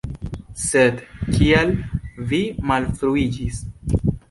Sed kial vi malfruiĝis?